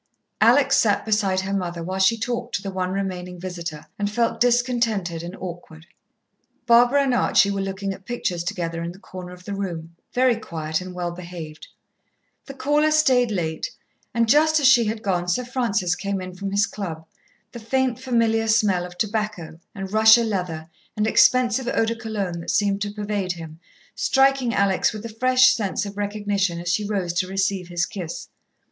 Alex sat beside her mother while she talked to the one remaining visitor, and felt discontented and awkward. Barbara and Archie were looking at pictures together in the corner of the room, very quiet and well behaved. The caller stayed late, and just as she had gone Sir Francis came in from his Club, the faint, familiar smell of tobacco, and Russia leather, and expensive eau de Cologne that seemed to pervade him, striking Alex with a fresh sense of recognition as she rose to receive his kiss.